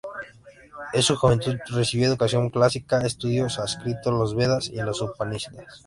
En su juventud, recibió educación clásica y estudió sánscrito, los Vedas y los Upanishads.